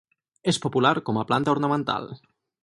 És popular com a planta ornamental.